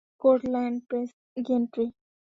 Court land gantry.